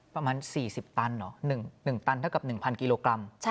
ประมาณ๔๐ตันหรอ๑๐๐๐๐๐กิโลกรัม